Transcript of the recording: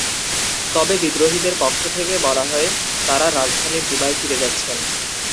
তবে বিদ্রোহীদের পক্ষ থেকে বলা হয়, তাঁরা রাজধানী জুবায় ফিরে যাচ্ছেন।